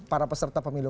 para peserta pemilu